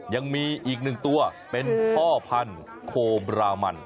ยังมีอีกหนึ่งตัวเป็นพ่อพันธุ์โคบรามัน